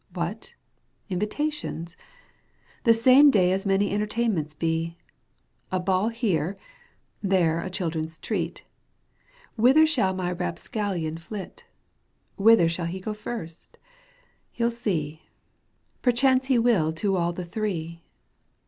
• What, invitations ? The same day As many entertainments be ! A ball here, there a children's treat, Whither shall my rapscallion flit ? Whither shall he go first ? He'll see. Perchance he win to all the three.